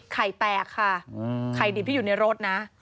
ไข่แตกค่ะไข่ดิบที่อยู่ในรถนะ